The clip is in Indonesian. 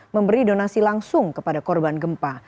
memberi donasi langsung kepada korban gempa